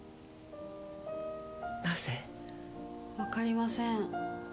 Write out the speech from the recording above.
なぜ？わかりません。